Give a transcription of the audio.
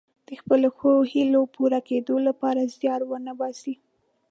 د خپلو ښو هیلو پوره کیدو لپاره زیار ونه باسي.